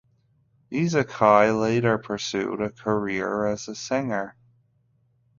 Ezaki later pursued a career as a singer.